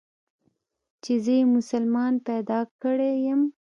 چې زه يې مسلمان پيدا کړى يم.